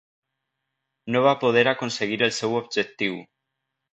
No va poder aconseguir el seu objectiu.